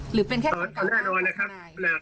หรือเป็นแค่คำกำลังของทนายอ๋อแน่นอนนะครับ